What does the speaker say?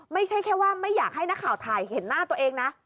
ไม่ใช่แค่ว่าไม่อยากให้นักข่าวถ่ายเห็นหน้าตัวเองนะ